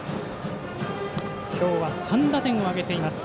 今日は３打点を挙げています。